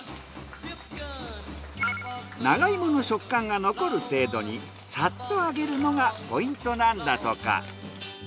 長芋の食感が残る程度にサッと揚げるのがポイントなんだとか。